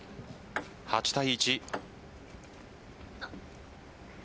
８対１。